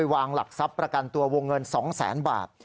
วางหลักทรัพย์ประกันตัววงเงิน๒๐๐๐๐๐บาท